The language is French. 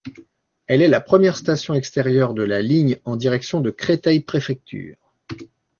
Elle est la première station extérieure de la ligne en direction de Créteil-Préfecture.